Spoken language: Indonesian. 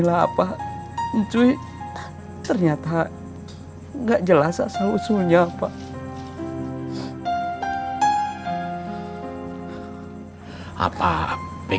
orang paham untuk hidup saya